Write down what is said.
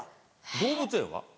動物園は？